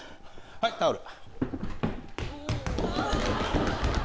はいタオル。